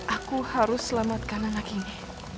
aku harus selamatkan anak ini